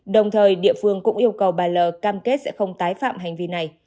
đồng thời địa phương cũng yêu cầu bà l cam kết sẽ không tái phạm hành vi này